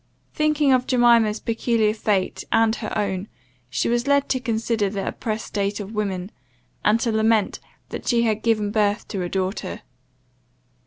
Thinking of Jemima's peculiar fate and her own, she was led to consider the oppressed state of women, and to lament that she had given birth to a daughter.